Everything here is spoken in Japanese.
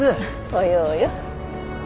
およおよ。